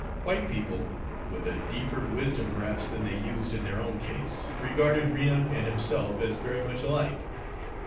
White people, with a deeper wisdom perhaps than they used in their own case, regarded Rena and himself as very much alike.